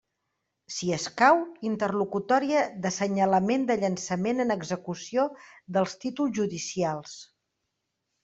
Si escau, interlocutòria d'assenyalament de llançament en execució dels títols judicials.